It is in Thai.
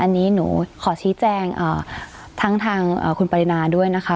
อันนี้หนูขอชี้แจ้งเอ่อทั้งเอ่อคุณปรินะด้วยนะคะ